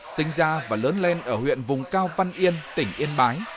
sinh ra và lớn lên ở huyện vùng cao văn yên tỉnh yên bái